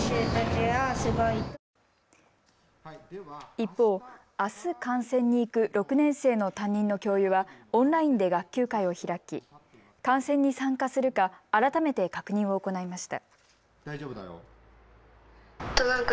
一方、あす観戦に行く６年生の担任の教諭はオンラインで学級会を開き観戦に参加するか、改めて確認を行いました。